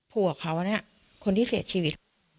ผัวเขาเนี่ยคนที่เสียชีวิต